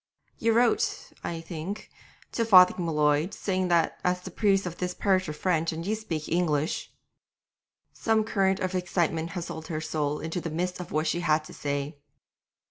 'You wrote, I think, to Father M'Leod, saying that as the priests of this parish are French and you speak English ' Some current of excitement hustled her soul into the midst of what she had to say.